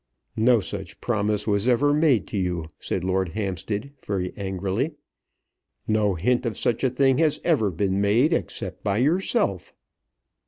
"No such promise was ever made to you," said Lord Hampstead, very angrily. "No hint of such a thing has ever been made except by yourself."